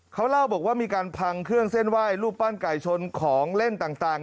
เขาเล่าบอกว่ามีการพังเครื่องเส้นไหว้รูปปั้นไก่ชนของเล่นต่าง